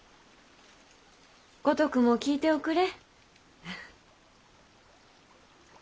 五徳も聞いておくれ。